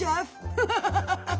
ハハハハハッ。